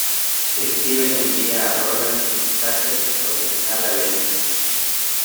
Steven envía a Roland y su ka-tet original al este.